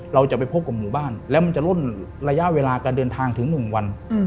เราจะไปพบกับหมู่บ้านแล้วมันจะล่นระยะเวลาการเดินทางถึง๑วัน